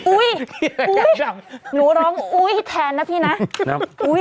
อ๋ออุ๊ยอุ๊ยหนูร้องอุ๊ยแทนนะพี่นะอุ๊ย